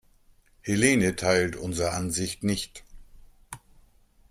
Helene teilt unsere Ansicht nicht.